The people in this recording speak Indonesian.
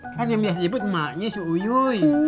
kan yang biasa jemput emaknya si uyuy